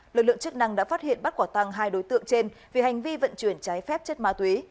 lực lượng chức năng đã phát hiện bắt quả tăng hai đối tượng trên vì hành vi vận chuyển trái phép chất ma túy